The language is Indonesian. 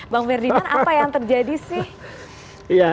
bang ferdinand apa yang terjadi sih